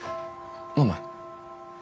飲む？